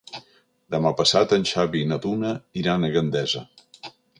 Demà passat en Xavi i na Duna iran a Gandesa.